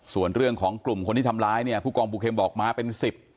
ส่วนเรื่องของกลุ่มคนที่ทำร้ายเนี่ยผู้กองปูเข็มบอกมาเป็นสิบ